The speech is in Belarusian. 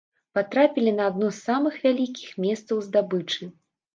Патрапілі на адно з самых вялікіх месцаў здабычы.